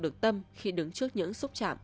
được tâm khi đứng trước những xúc chạm